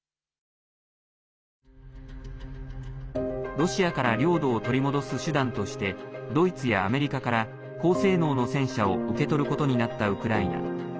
ロシアから領土を取り戻す手段としてドイツやアメリカから高性能の戦車を受け取ることになったウクライナ。